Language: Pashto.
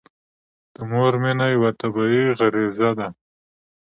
د مور مینه یوه طبیعي غريزه ده.